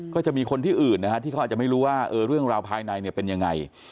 ก็จะมีคนที่อื่นนะฮะที่เขาอาจจะไม่รู้ว่าเรื่องราวภายในเป็นยังไง